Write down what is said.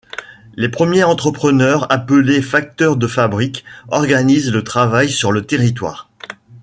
Les premiers entrepreneurs, appelés facteurs de fabriques, organisent le travail sur le territoire.